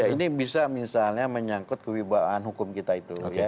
ini bisa misalnya menyangkut kewibawaan hukum kita itu